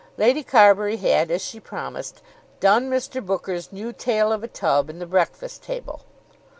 Lady Carbury had, as she promised, "done" Mr. Booker's "New Tale of a Tub" in the "Breakfast Table."